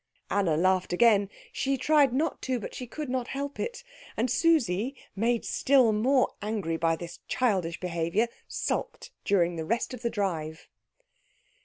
Anna laughed again. She tried not to, but she could not help it; and Susie, made still more angry by this childish behaviour, sulked during the rest of the drive.